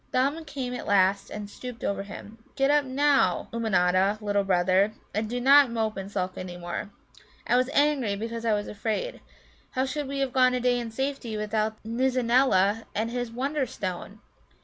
Thumb came at last and stooped over him. "Get up now, Ummanodda, little brother, and do not mope and sulk any more. I was angry because I was afraid. How should we have gone a day in safety without the Nizza neela and his Wonderstone?